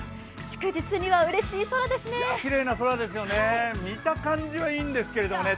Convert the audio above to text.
祝日にはうれしい空ですね。